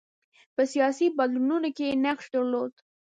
په سیاسي بدلونونو کې یې نقش درلود.